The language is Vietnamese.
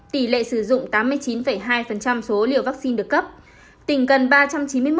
tỷ lệ sử dụng tám mươi chín hai số liều vaccine được cấp